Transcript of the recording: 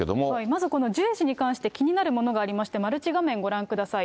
まずこのジュエ氏に関して気になるものがありまして、マルチ画面、ご覧ください。